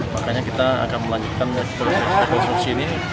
makanya kita akan melanjutkan rekonstruksi ini